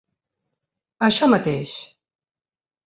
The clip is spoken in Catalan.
Això mateix!